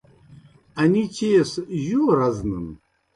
انی چیئے سہ جو رزنَن۔